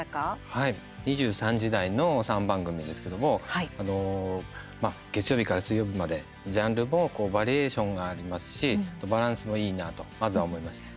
はい、２３時台の３番組ですけれども月曜日から水曜日までジャンルもバリエーションがありますしバランスもいいなとまずは思いました。